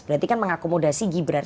berarti kan mengakomodasi gibran